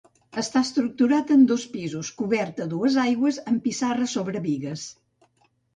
Està estructurat en dos pisos, cobert a dues aigües amb pissarra sobre bigues.